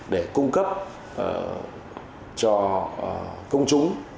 để cung cấp cho công chúng